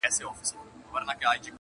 دومره جمال وی